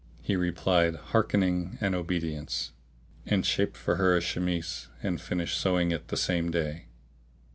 He replied, "Hearkening and obedience"; and shaped for her a chemise and finished sewing it the same day.